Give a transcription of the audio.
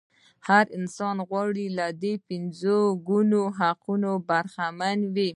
هر انسان غواړي له دې پنځه ګونو حقوقو برخمن وي.